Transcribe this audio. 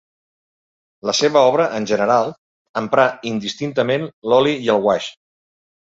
La seva obra, en general, emprà indistintament l'oli i el guaix.